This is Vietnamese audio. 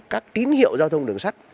các tín hiệu giao thông đường sắt